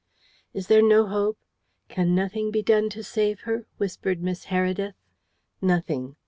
"Is there no hope? Can nothing be done to save her?" whispered Miss Heredith. "Nothing.